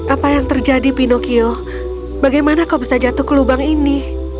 apa yang terjadi pinocchio bagaimana kau bisa jatuh ke lubang ini